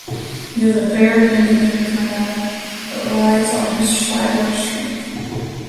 He is a fair hand-to-hand combatant, but relies on his cyborg strength.